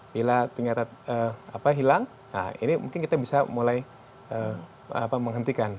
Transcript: bila ternyata hilang nah ini mungkin kita bisa mulai menghentikan